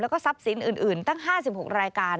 แล้วก็ทรัพย์สินอื่นตั้ง๕๖รายการ